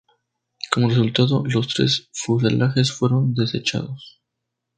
Como resultado, los tres fuselajes fueron desechados.